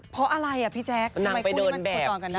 เพราะอะไรอ่ะพี่แจ๊คทำไมคู่นี้มันโคจรกันได้